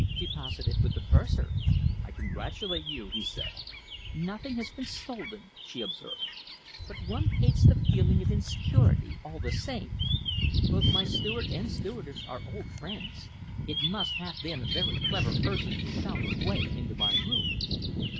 "Deposited with the purser." "I congratulate you," he said. "Nothing has been stolen," she observed, "but one hates the feeling of insecurity, all the same. Both my steward and stewardess are old friends. It must have been a very clever person who found his way into my room."